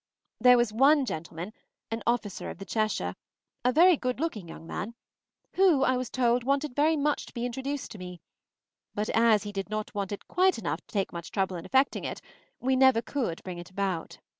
There was one gentleman, an officer of the Cheshire, a very good looking young man, who, I was told, wanted very much to be introduced to me; but as he did not want it quite enough to take much trouble in effecting it, we never could bring it about.